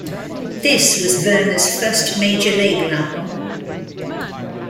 This was Werner's first major label album.